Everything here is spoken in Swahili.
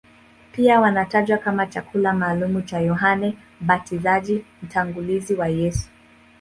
Pia wanatajwa kama chakula maalumu cha Yohane Mbatizaji, mtangulizi wa Yesu.